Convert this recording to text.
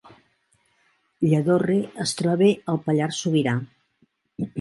Lladorre es troba al Pallars Sobirà